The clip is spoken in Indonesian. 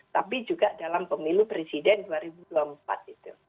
tapi juga dalam pemilu presiden dua ribu dua puluh empat itu